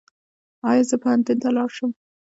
ایا زه پوهنتون ته لاړ شم؟